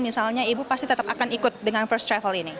misalnya ibu pasti tetap akan ikut dengan first travel ini